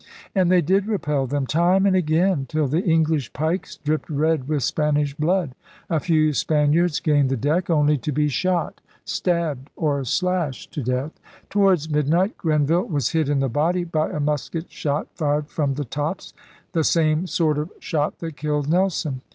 And they did repel them, time and again, till the English pikes dripped red with Spanish blood. A few Spaniards gained the deck, only to be shot, stabbed, or slashed to death. Towards midnight Grenville was hit in the body by a musket shot fired from the tops — the same sort of shot that killed Nelson.